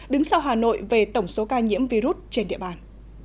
đứng sau hà nội về tổng số ca nhiễm virus trên địa bàn